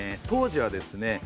当時はですね